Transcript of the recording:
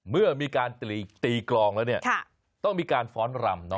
เมื่อมีการตีกลองแล้วเนี่ยต้องมีการฟ้อนรำ